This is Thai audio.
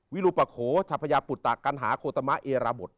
วิรุปโขชะพยาปุตตะกันหาโคตรมะเอราบท